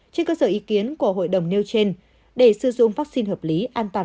trên cơ sở ý kiến của hội đồng nêu trên để sử dụng vaccine hợp lý an toàn